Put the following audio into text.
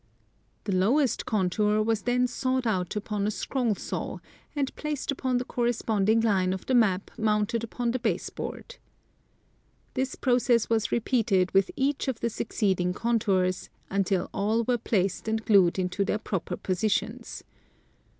The lowest contour was then sawed out upon a scroll saw, and placed upon the cor responding line of the map mounted upon the base board. This TopograjpTiic Models. 263 process was repeated with each of the succeeding contours until all were placed and glued into their proper positions.